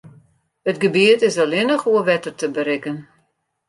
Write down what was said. It gebiet is allinnich oer wetter te berikken.